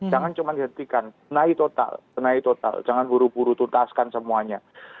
jangan cuma dihentikan naik total naik total jangan buru buru tuntaskan semuanya